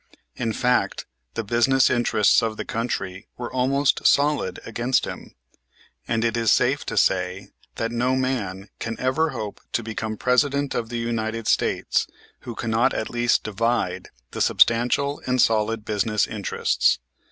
In fact the business interests of the country were almost solid against him; and it is safe to say that no man can ever hope to become President of the United States who cannot at least divide the substantial and solid business interests.